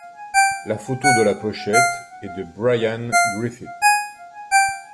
La photo de la pochette est de Brian Griffith.